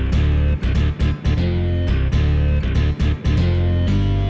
tak hebat lagi om